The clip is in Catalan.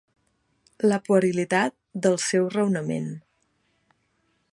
La puerilitat del seu raonament.